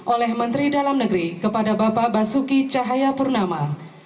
oleh menteri dalam negeri kepada bapak basuki cahaya purnama